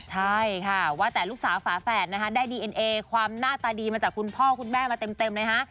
ใช่ค่ะว่าแต่ลูกสาวฝาแฝดนะคะได้ดีเอ็นเอความหน้าตาดีมาจากคุณพ่อคุณแม่มาเต็มเลยฮะ